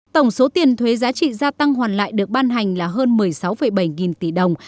tổng số tiền thuế giá trị gia tăng hoàn lại được ban hành là hơn một mươi sáu bảy nghìn tỷ đồng